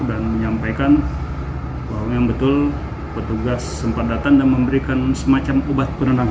dan menyampaikan bahwa yang betul petugas sempat datang dan memberikan semacam obat penerangan